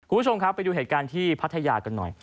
คุณผู้ชมครับไปดูเหตุการณ์ที่พัทยากันหน่อย